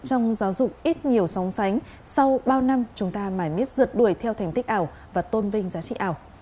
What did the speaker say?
trong giáo dục ít nhiều so sánh sau bao năm chúng ta mãi miết rượt đuổi theo thành tích ảo và tôn vinh giá trị ảo